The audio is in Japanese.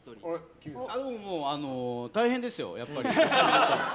大変ですよ、やっぱり。